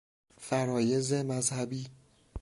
فرایض مذهبی